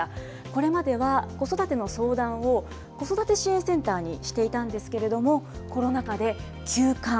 これまでは子育ての相談を、子育て支援センターにしていたんですけれども、コロナ禍で休館。